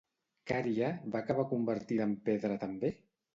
Cària va acabar convertida en pedra també?